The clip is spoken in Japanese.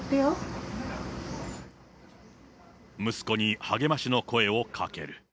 息子に励ましの声をかける。